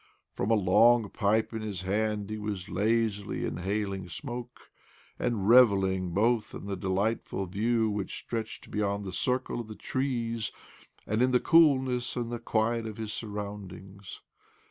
From a long pipe in his hand he was lazily inhaling smoke, and revelling both in the delightful view which stretched beyond the circle of the trees and in the OBLOMOV 6 1 coolness and the quiet of his surroundings.